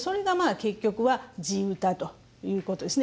結局は地唄ということですね